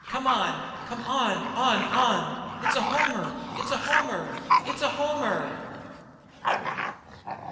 Come on! Come on on on! it's a homer! It's a homey! it's a homer!"